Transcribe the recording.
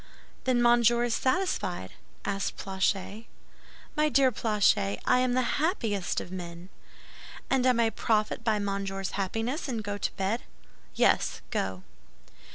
"Then Monsieur is satisfied?" asked Planchet. "My dear Planchet, I am the happiest of men!" "And I may profit by Monsieur's happiness, and go to bed?" "Yes, go."